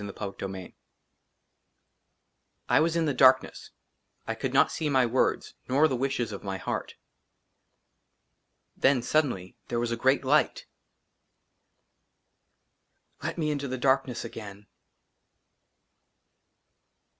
1 46 ^ s XLIV I WAS IN THE DARKNESS ; I COULD NOT SEE MY WORDS NOR THE WISHES OF MY HEART. THEN SUDDENLY THERE WAS A GREAT LIGHT " LET ME INTO THE DARKNESS AGAIN.